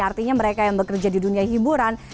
artinya mereka yang bekerja di dunia hiburan